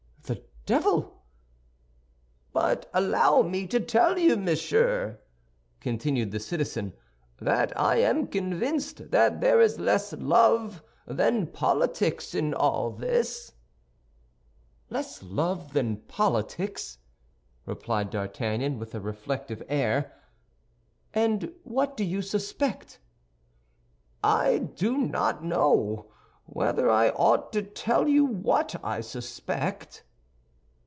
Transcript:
"The devil!" "But allow me to tell you, monsieur," continued the citizen, "that I am convinced that there is less love than politics in all this." "Less love than politics," replied D'Artagnan, with a reflective air; "and what do you suspect?" "I do not know whether I ought to tell you what I suspect."